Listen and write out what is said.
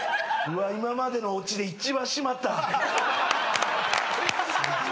今までのオチで一番締まった。